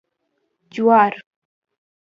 🌽 جوار